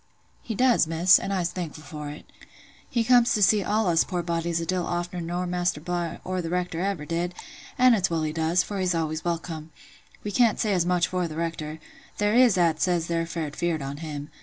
"He does, Miss; and I'se thankful for it. He comes to see all us poor bodies a deal ofter nor Maister Bligh, or th' Rector ever did; an' it's well he does, for he's always welcome: we can't say as much for th' Rector—there is "at says they're fair feared on him.